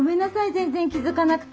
全然気付かなくて。